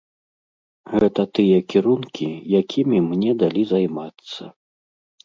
Гэта тыя кірункі, якімі мне далі займацца.